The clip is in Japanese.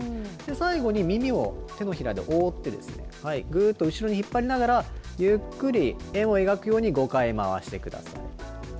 最後に耳を手のひらで覆って、ぐーっと後ろに引っ張りながら、ゆっくり円を描くように５回回してください。